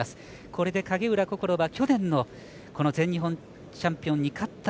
これで影浦心は去年の全日本チャンピオンに勝った